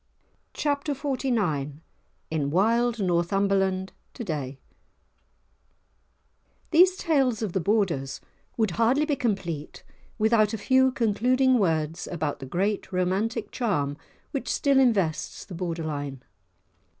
*Chapter XLIX* *In Wild Northumberland To day* These tales of the Borders would hardly be complete without a few concluding words about the great romantic charm which still invests the Borderline.